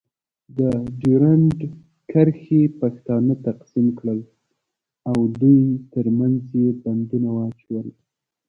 د ډیورنډ کرښې پښتانه تقسیم کړل. او دوی ترمنځ یې بندونه واچول.